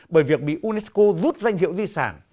bởi việc bị unesco rút danh hiệu di sản